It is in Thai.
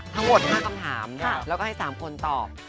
ทั้งหมด๕คำถามแล้วก็ให้๓คนตอบ